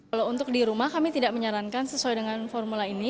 kalau untuk di rumah kami tidak menyarankan sesuai dengan formula ini